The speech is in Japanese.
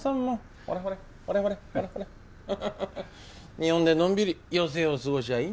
日本でのんびり余生を過ごしゃいいのにね。